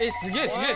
すげえ！